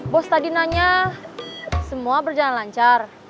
bos tadi nanya semua berjalan lancar